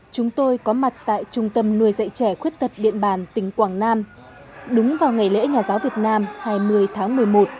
chúng tôi có mặt tại trung tâm nuôi dạy trẻ khuyết tật điện bàn tỉnh quảng nam đúng vào ngày lễ nhà giáo việt nam hai mươi tháng một mươi một